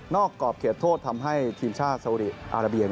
นอกกรอบเคลียดโทษทำให้ทีมชาติสาวุดีอาราเบีย